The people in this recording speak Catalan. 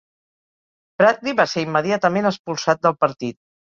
Bradley va ser immediatament expulsat del partit.